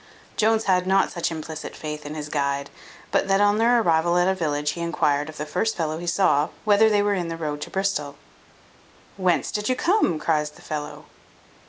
Jones had not such implicit faith in his guide, but that on their arrival at a village he inquired of the first fellow he saw, whether they were in the road to Bristol. "Whence did you come?" cries the fellow.